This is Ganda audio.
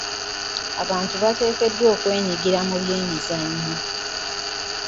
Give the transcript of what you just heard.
Abantu bateekeddwa okwenyigira mu by'emizannyo.